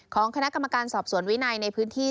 ของคณะกรรมการสอบสวนวินัยในพื้นที่